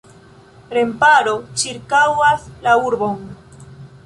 Remparo ĉirkaŭas la urbon.